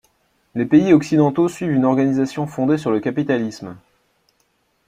Les pays occidentaux suivent une organisation fondée sur le capitalisme.